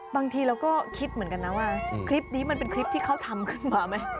บางทีเราก็คิดเหมือนกันนะว่าคลิปนี้มันเป็นคลิปที่เขาทำขึ้นมาไหม